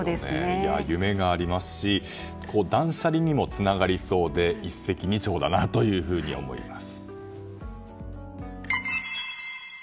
夢がありますし断捨離にもつながりそうで一石二鳥だなと思います。